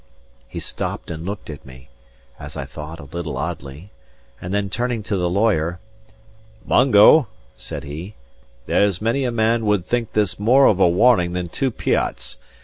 He stopped and looked at me, as I thought, a little oddly; and then, turning to the lawyer, "Mungo," said he, "there's many a man would think this more of a warning than two pyats.